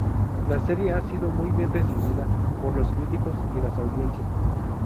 La serie ha sido muy bien recibida por los críticos y las audiencias.